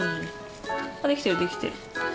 あできてるできてる。